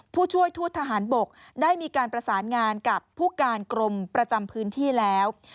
ผู้ช่วยทูตทหารบกได้มีการประสานงานกับผู้การกรมประจำพื้นที่แล้ว